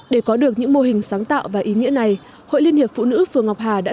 để có được những mô hình sáng tạo và ý nghĩa này hội liên hiệp phụ nữ phường ngọc hà đã